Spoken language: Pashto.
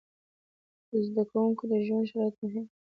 د زده کوونکو د ژوند شرایط مهم دي.